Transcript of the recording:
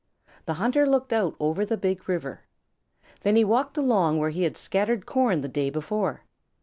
The hunter looked out over the Big River. Then he walked along where he had scattered corn the day before.